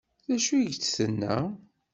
D acu i k-d-tenna?